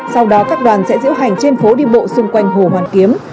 sau đó các đoàn sẽ diễu hành trên phố đi bộ xung quanh hồ hoàn kiếm